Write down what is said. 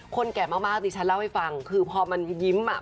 แก่มากดิฉันเล่าให้ฟังคือพอมันยิ้มอ่ะ